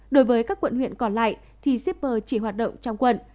đối với các quận huyện còn lại thì shipper chỉ hoạt động trong quận